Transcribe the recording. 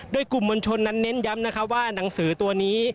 ด้วยกลุ่มบัญชนนั้นเน้นย้ำว่านังสือตัวนี้